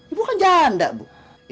ibu kan janda bu